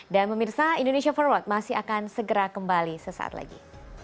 dan memirsa indonesia forward masih akan segera kembali sesaat lagi